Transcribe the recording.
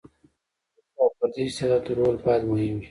د هڅو او فردي استعداد رول باید مهم وي.